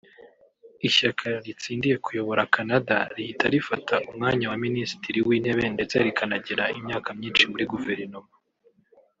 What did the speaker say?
Ishyaka ritsindiye kuyobora Canada rihita rifata umwanya wa Minisitiri w’Intebe ndetse rikanagira imyaka myinshi muri Guverinoma